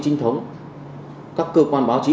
trinh thống các cơ quan báo chí